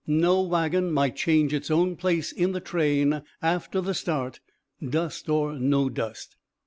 No wagon might change its own place in the train after the start, dust or no dust.